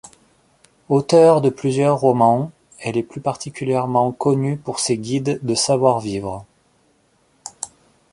Auteure de plusieurs romans, elle est plus particulièrement connue pour ses guides de Savoir-Vivre.